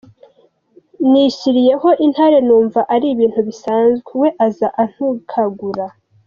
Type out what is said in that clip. Nishyiriyeho intare numva ari ibintu bisanzwe, we aza antukagura…”.